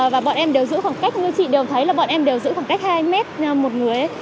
và bọn em đều giữ khoảng cách như chị đều thấy là bọn em đều giữ khoảng cách hai mét một người